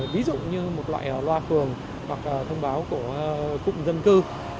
ví dụ như một loại loa phường hoặc thông báo của cụm dân cư